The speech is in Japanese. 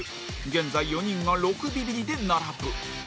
現在４人が６ビビリで並ぶ